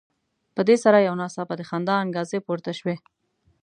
په دې سره یو ناڅاپه د خندا انګازې پورته شوې.